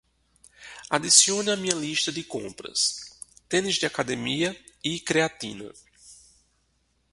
Adicione à minha lista de compras: tênis de academia e creatina